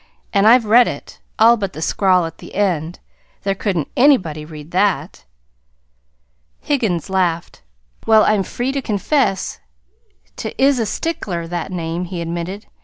"And I've read it all but the scrawl at the end. There couldn't anybody read that!" Higgins laughed. "Well, I'm free to confess 't is a sticker that name," he admitted.